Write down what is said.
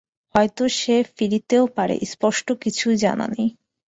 হয়তো সে ফিরিতেও পারে–স্পষ্ট কিছুই জানা নাই।